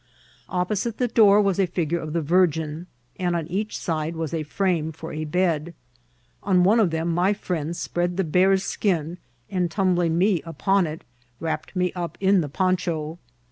Opposite the door was a figure of the Virgin, and on each side was a frame for a bed ; on one of them my friends spread the bear's skin, and tumbling me upon it, wrapped me up in the poncha.